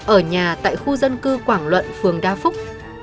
ở nhà tại khu dân cư quảng luận phường đa phúc